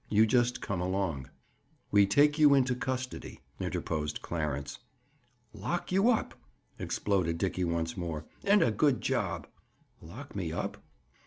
You just come along." "We take you into custody," interposed Clarence. "Lock you up!" exploded Dickie once more. "And a good job." "Lock me up?"